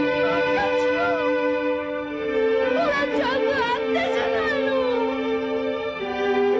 ほらちゃんとあったじゃないの。